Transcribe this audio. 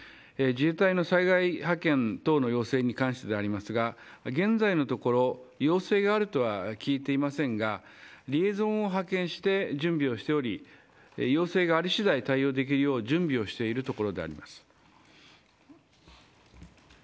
自衛隊の災害派遣等の要請に関してでありますが現在のところ要請があるとは聞いていませんがリエゾンを派遣して準備をしており要請がありしだい派遣できるよう準備をしています。